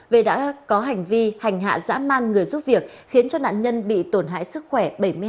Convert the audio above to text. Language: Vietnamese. về đã có hành vi hành hạ dã man người giúp việc khiến cho nạn nhân bị tổn hại sức khỏe bảy mươi hai